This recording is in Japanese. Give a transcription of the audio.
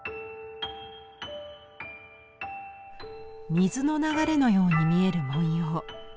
水の流れのように見える文様。